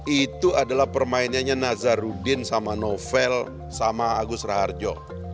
itu adalah permainannya nazarudin sama novel sama agus raharjo